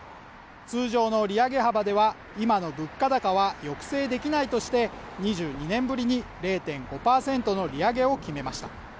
通常の利上げ幅では今の物価高は抑制できないとして２２年ぶりに０．５％の利上げを決めました